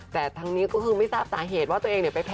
แต่ทางนี้ก็คือไม่ทราบสาเหตุว่าตัวเองไปแพ้อะไรมาหรอกนะคะ